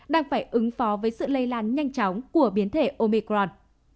đang phải ứng phó với sự lây lan nhanh chóng của biến thể omicron